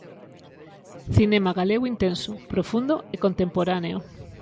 Cinema galego intenso, profundo e contemporáneo.